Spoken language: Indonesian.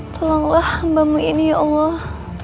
tolonglah hambamu ini ya allah